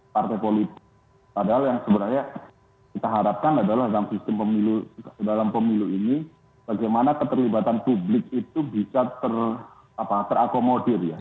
padahal yang sebenarnya kita harapkan adalah dalam sistem pemilu dalam pemilu ini bagaimana keterlibatan publik itu bisa terakomodir ya